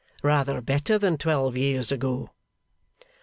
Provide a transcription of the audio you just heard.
Rather better than twelve years ago.